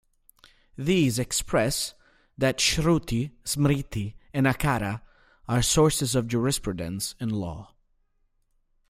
These express that Shruti, Smriti and Acara are sources of jurisprudence and law.